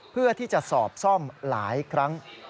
เพื่อที่จะสอบซ่อมหลายครั้ง